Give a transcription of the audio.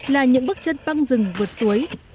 là những bức chân băng rừng vượt suối